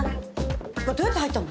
てかどうやって入ったの？